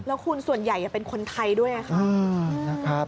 แล้วคุณส่วนใหญ่เป็นคนไทยด้วยค่ะ